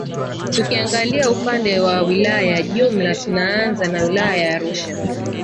Tukiangalia upande wa wilaya jumla tunaanza na wilaya ya Arusha